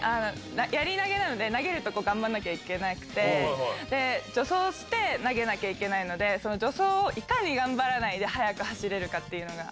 やり投げなので、投げるとこ頑張らなきゃいけなくて、助走して、投げなきゃいけないので、その助走をいかに頑張らないで速く走れるかっていうのが。